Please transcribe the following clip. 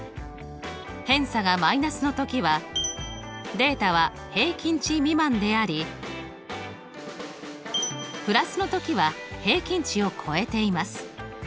偏差がマイナスの時はデータは平均値未満でありプラスの時は平均値を超えています。